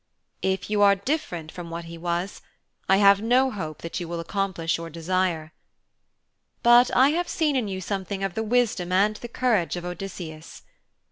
If you are different from what he was, I have no hope that you will accomplish your desire. But I have seen in you something of the wisdom and the courage of Odysseus.